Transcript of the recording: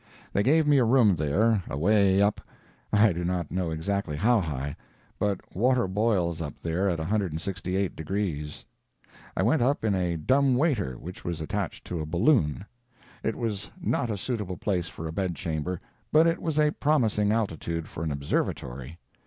They gave me a room there, away up, I do not know exactly how high, but water boils up there at 168 degrees. I went up in a dumb waiter which was attached to a balloon. It was not a suitable place for a bedchamber, but it was a promising altitude for an observatory.